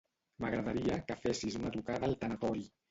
M'agradaria que fessis una trucada al tanatori.